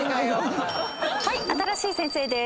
はい新しい先生です。